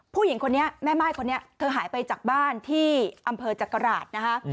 ผู้หญิงคนนี้แม่ม่ายคนนี้เธอหายไปจากบ้านที่อำเภอจักราชนะคะ